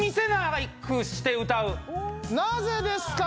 なぜですか？